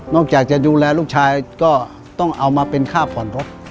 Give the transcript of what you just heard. จากจะดูแลลูกชายก็ต้องเอามาเป็นค่าผ่อนรถ